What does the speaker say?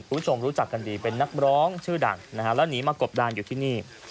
รู้จักกันดีเป็นนักร้องชื่อดังนะฮะแล้วหนีมากบดานอยู่ที่นี่